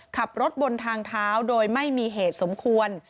ขับรถบนทางเท้าโดยไม่มีเหตุสมควร